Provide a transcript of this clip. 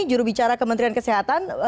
juru bicara kementerian kesehatan